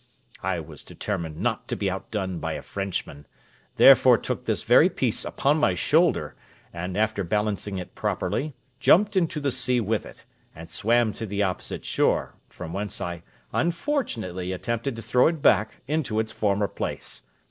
I was determined not to be outdone by a Frenchman, therefore took this very piece upon my shoulder, and, after balancing it properly, jumped into the sea with it, and swam to the opposite shore, from whence I unfortunately attempted to throw it back into its former place.